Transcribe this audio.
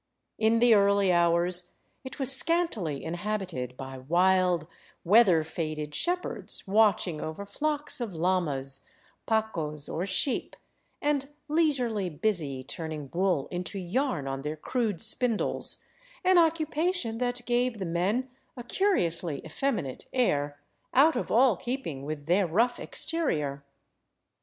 In the early hours it was scantily inhabited by wild, weather faded shepherds watching over flocks of llamas, pacos, or sheep, and leisurely busy turning wool into yarn on their crude spindles, an occupation that gave the men a curiously effeminate air, out of all keeping with their rough exterior.